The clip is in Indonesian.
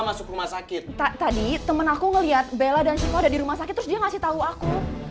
masuk rumah sakit tadi temen aku ngeliat bella dan singo ada di rumah sakit terus dia ngasih tahu aku